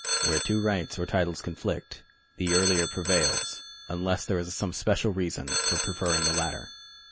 Where two rights or titles conflict, the earUer prevails, unless there is some special reason for preferring the later.